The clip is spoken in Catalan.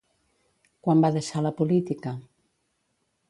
Quan va deixar la política?